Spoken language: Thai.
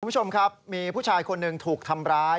คุณผู้ชมครับมีผู้ชายคนหนึ่งถูกทำร้าย